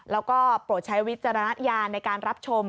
แล้วก็โปรดใช้วิจารณญาณในการรับชม